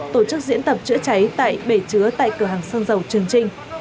tổ chức diễn tập chữa cháy tại bể chứa tại cửa hàng xăng dầu trường trinh